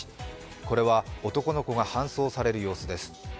これは男の子が搬送される様子です。